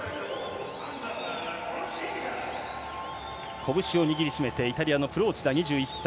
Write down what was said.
拳を握り締めて、イギリスのプローチダ、２１歳。